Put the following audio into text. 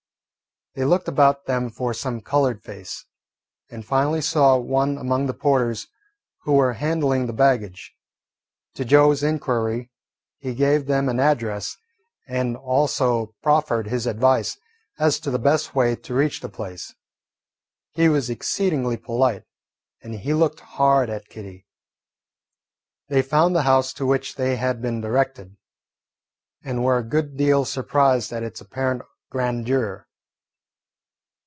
They looked about them for some coloured face, and finally saw one among the porters who were handling the baggage. To Joe's inquiry he gave them an address, and also proffered his advice as to the best way to reach the place. He was exceedingly polite, and he looked hard at Kitty. They found the house to which they had been directed, and were a good deal surprised at its apparent grandeur.